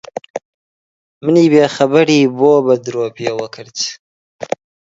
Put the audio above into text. منی بێخەبەری بۆ بە درۆ پێوە کرد؟